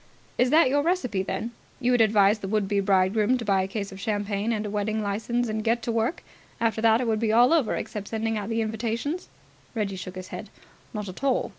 "Is that your recipe, then? You would advise the would be bridegroom to buy a case of champagne and a wedding licence and get to work? After that it would be all over except sending out the invitations?" Reggie shook his head. "Not at all.